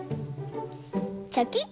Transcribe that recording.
チョキッと！